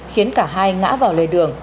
khiến cả hai ngã vào lề đường